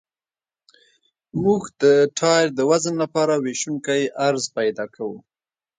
موږ د ټایر د وزن لپاره ویشونکی عرض پیدا کوو